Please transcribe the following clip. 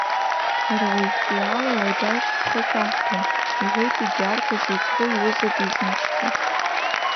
Ҳара уажәтәи ала уадаҩс ҳхы шәаҳҭом, — иҳәеит егьи арԥыс еиҵбы иҩыза дизымԥшкәа.